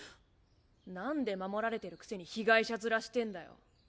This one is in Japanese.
なんで守られてるくせに被害者面してんだよ。